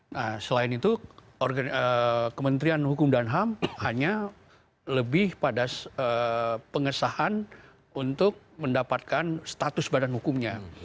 nah selain itu kementerian hukum dan ham hanya lebih pada pengesahan untuk mendapatkan status badan hukumnya